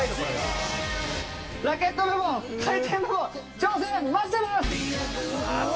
ラケット部門、回転部門、挑戦、待ってます。